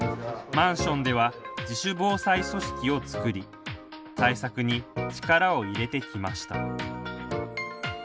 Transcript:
マンションでは自主防災組織を作り対策に力を入れてきました。